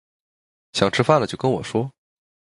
想吃饭了就跟我说